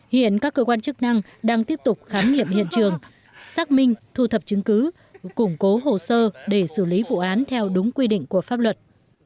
hiện các cơ quan chức năng đang tiếp tục khám nghiệm hiện trường xác minh thu thập chứng cứ củng cố hồ sơ để xử lý vụ án theo đúng quy định của pháp luật